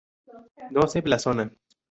No se blasona.